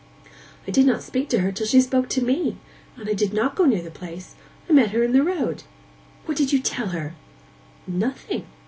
'I did not speak to her till she spoke to me. And I did not go near the place. I met her in the road.' 'What did you tell her?' 'Nothing.